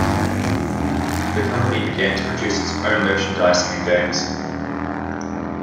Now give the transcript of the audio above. The company began to produce its own merchandise and games.